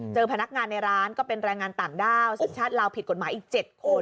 พนักงานในร้านก็เป็นแรงงานต่างด้าวสัญชาติลาวผิดกฎหมายอีก๗คน